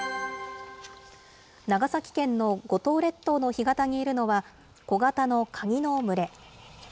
長崎県の五島列島の干潟にいるのは、小型のカニの群れ。